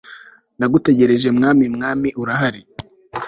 Ndagutegereje Mwami Mwami urahari